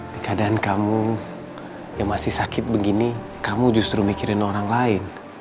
di keadaan kamu yang masih sakit begini kamu justru mikirin orang lain